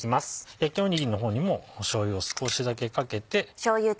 焼きおにぎりの方にもしょうゆを少しだけかけて。